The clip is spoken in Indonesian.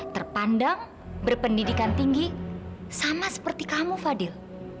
terpandang berpendidikan tinggi sama seperti kamu fadil